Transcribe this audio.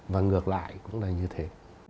và ngược lại cũng là như thế